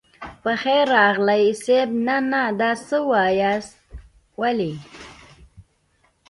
په خير راغلئ صيب نه نه دا څه واياست ولې.